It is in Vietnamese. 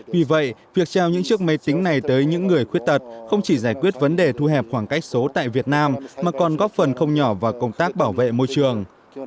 vì vậy việc treo những chiếc máy tính này tới những người khuyết tật không chỉ giải quyết vấn đề thu hẹp khoảng cách số tại việt nam mà còn góp phần không nhỏ vào công tác bảo vệ môi trường